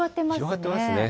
広がってますね。